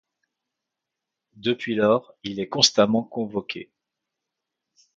Depuis lors, il est constamment convoqué.